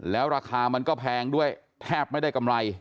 แล้วราคามันก็แพงด้วยแทบไม่ได้กำไร